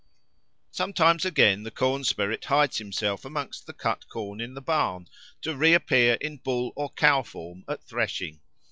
Sometimes again the corn spirit hides himself amongst the cut corn in the barn to reappear in bull or cow form at threshing.